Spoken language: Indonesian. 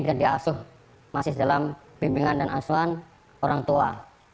jadi asuh masih dalam bimbingan dan asuhan orang tua